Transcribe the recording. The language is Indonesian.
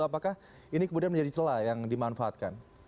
apakah ini kemudian menjadi celah yang dimanfaatkan